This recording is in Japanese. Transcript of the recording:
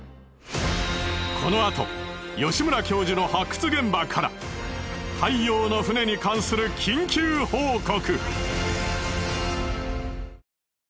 このあと吉村教授の発掘現場から太陽の船に関する緊急報告！